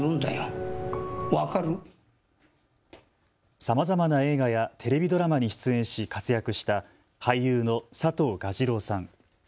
さまざまな映画やテレビドラマに出演し、活躍した俳優の佐藤蛾次郎さん。